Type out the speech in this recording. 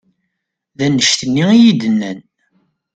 D annect-nni i yi-d-nnan.